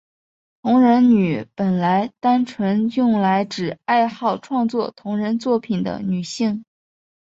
同人女本来单纯用来指爱好创作同人作品的女性。